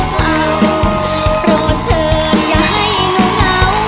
ปลอดเถิดอย่าให้หนูเหงา